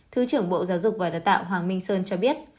thứ trưởng bộ giáo dục và đào tạo hoàng minh sơn cho biết